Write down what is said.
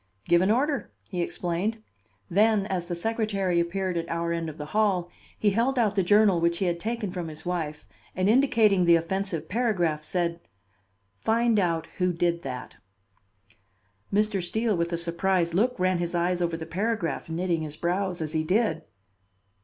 "Give an order," he explained; then, as the secretary appeared at our end of the hall, he held out the journal which he had taken from his wife and indicating the offensive paragraph, said: "Find out who did that." Mr. Steele with a surprised look ran his eyes over the paragraph, knitting his brows as he did.